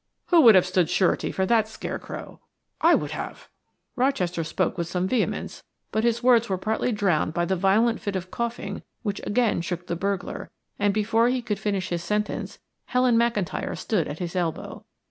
"Who would have stood surety for that scarecrow?" "I would have." Rochester spoke with some vehemence, but his words were partly drowned by the violent fit of coughing which again shook the burglar, and before he could finish his sentence, Helen McIntyre stood at his elbow.